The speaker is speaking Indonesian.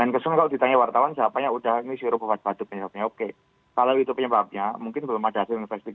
kalau di new york agut